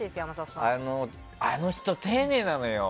あの人、丁寧なのよ。